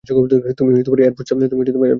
তুমি এয়ারফোর্সে কাজ করো?